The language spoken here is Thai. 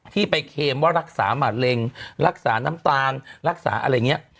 ที่ไปเคมว่ารักษาหมาดเร็งรักษาน้ำตาลรักษาอะไรอย่างนี้